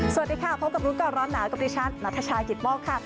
สวัสดีค่ะพบกับรุงก่อนร้อนหนาดิฉันนัทชายกิตมองค์ค่ะ